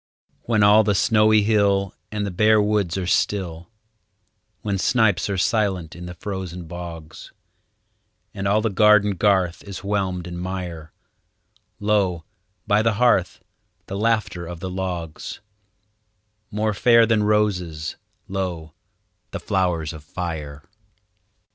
When all the snowy hill And the bare woods are still; When snipes are silent in the frozen bogs, And all the garden garth is whelmed in mire, Lo, by the hearth, the laughter of the logs— More fair than roses, lo, the flowers of fire!